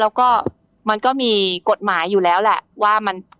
แล้วก็มันก็มีกฎหมายอยู่แล้วแหละว่ามัน